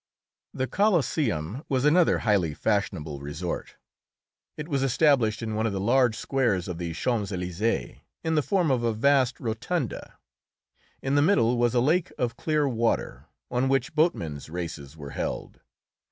The Coliseum was another highly fashionable resort. It was established in one of the large squares of the Champs Élysées, in the form of a vast rotunda. In the middle was a lake of clear water, on which boatmen's races were held.